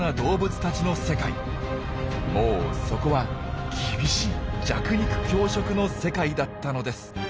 もうそこは厳しい弱肉強食の世界だったのです！